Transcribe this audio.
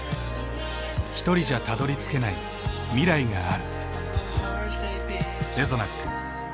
ひとりじゃたどりつけない未来がある。